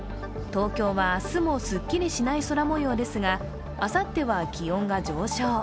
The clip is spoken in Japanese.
東京は明日もすっきりしない空もようですがあさっては気温が上昇。